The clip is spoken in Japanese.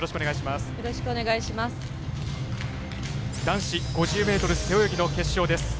男子５０ｍ背泳ぎの決勝です。